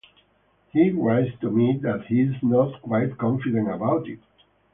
He writes to me that he is not quite confident about it.